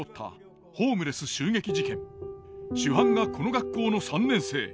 主犯がこの学校の３年生。